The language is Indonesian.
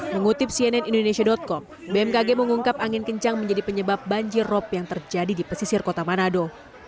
mengutip cnn indonesia com bmkg mengungkap angin kencang menjadi penyebab banjir rop yang terjadi di pesisir kota manado